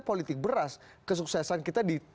politik beras kesuksesan kita